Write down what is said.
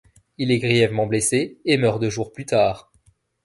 Il est grièvement blessé et meurt deux jours plus tard.